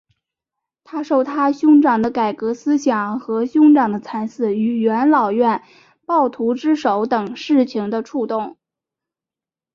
他受他兄长的改革思想和兄长的惨死于元老院暴徒之手等事情的触动。